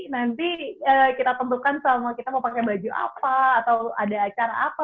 nanti kita tentukan selama kita mau pakai baju apa atau ada acara apa